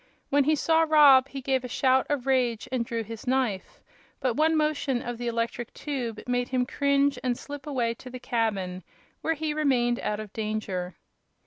When he saw Rob he gave a shout of rage and drew his knife, but one motion of the electric tube made him cringe and slip away to the cabin, where he remained out of danger.